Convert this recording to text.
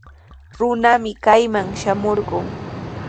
Runami kayman shamurqun.